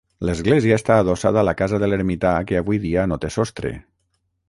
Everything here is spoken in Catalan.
L'església està adossada a la casa de l'ermità que avui dia no té sostre.